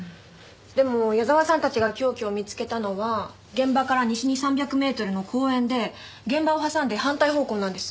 でも矢沢さんたちが凶器を見つけたのは現場から西に３００メートルの公園で現場を挟んで反対方向なんです。